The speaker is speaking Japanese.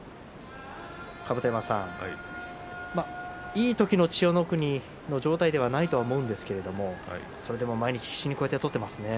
甲山さんいい時の千代の国の状態ではないと思うんですけれどそれでも毎日必死にこうやって取っていますね。